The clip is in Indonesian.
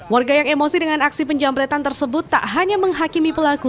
warga yang emosi dengan aksi penjamretan tersebut tak hanya menghakimi pelaku